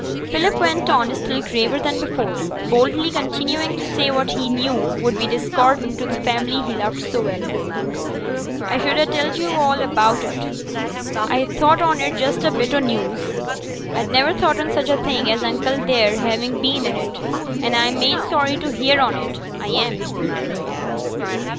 Philip went on, still graver than before, boldly continuing to say what he knew would be discordant to the family he loved so well. 'I should ha' telled yo' all about it; I thought on it just as a bit o' news; I'd niver thought on such a thing as uncle there having been in it, and I'm main sorry to hear on it, I am.'